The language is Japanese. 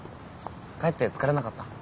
かえって疲れなかった？